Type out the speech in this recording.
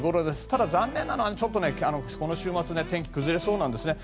ただ残念なのは、この週末天気が崩れそうなんですよね。